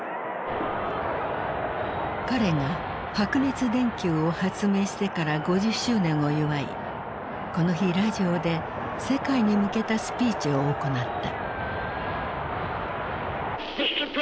彼が白熱電球を発明してから５０周年を祝いこの日ラジオで世界に向けたスピーチを行った。